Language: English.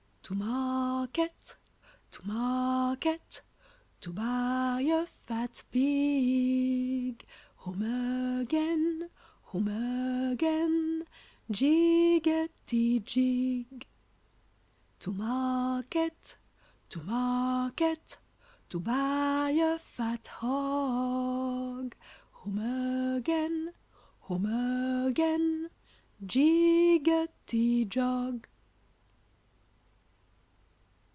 ] To market, to market, to buy a fat pig; Home again, home again, jiggetty jig. To market, to market, to buy a fat hog; Home again, home again, jiggetty jog.